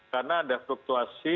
karena ada fluktuasi